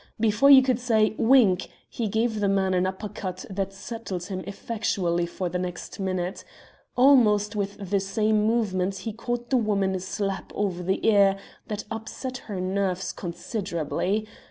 Before you could say 'Wink' he gave the man an upper cut that settled him effectually for the next minute. Almost with the same movement he caught the woman a slap over the ear that upset her nerves considerably.